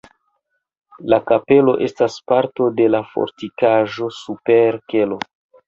La kapelo estas parto de la fortikaĵo super kelo.